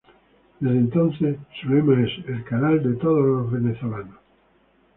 Desde entonces su lema es ""El Canal de Todos los Venezolanos"".